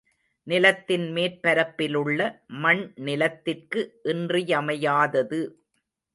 நிலத்தின் மேற்பரப்பிலுள்ள மண் நிலத்திற்கு இன்றியமையாதது.